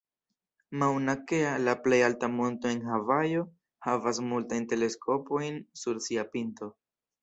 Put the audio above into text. Mauna Kea, la plej alta monto en Havajo, havas multajn teleskopojn sur sia pinto.